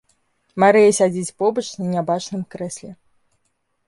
Марыя сядзіць побач на нябачным крэсле.